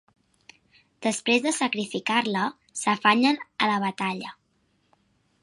Després de sacrificar-la, s'afanyen a la batalla.